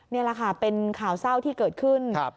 นี่แหละค่ะเป็นข่าวเศร้าที่เกิดขึ้นนะครับครับ